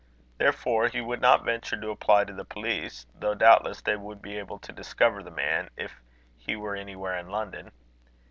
Therefore he would not venture to apply to the police, though doubtless they would be able to discover the man, if he were anywhere in London.